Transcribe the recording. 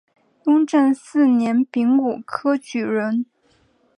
雍正四年丙午科举人。